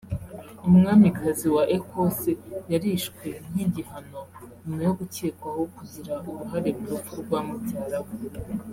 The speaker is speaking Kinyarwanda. umwamikazi wa Ecosse yarishwe (nk’igihano) nyuma yo gukekwaho kugira uruhare mu rupfu rwa mubyara we